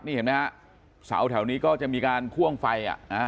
นี่เห็นไหมฮะเสาแถวนี้ก็จะมีการพ่วงไฟ